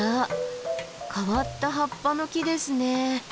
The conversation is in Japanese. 変わった葉っぱの木ですね。